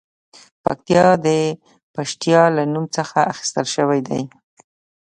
پکتیا د پښتیا له نوم څخه اخیستل شوې ده